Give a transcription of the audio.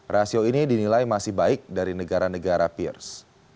rasio ini dinilai masih baik dari negara negara peers